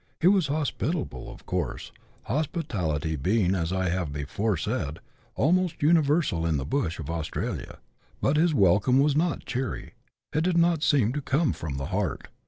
He was hospitable of course, hospitality being, as I have before said, almost universal in the bush of Australia ; but his welcome was not cheery, it did not seem to come from the heart.